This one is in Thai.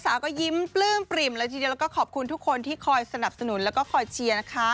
สาวก็ยิ้มปลื้มและทีเดียวก็ขอบคุณทุกคนที่คอยสนับสนุนและก็คอยเชียร์